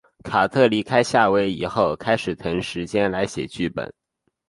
卡特离开夏威夷后开始腾时间来写剧本。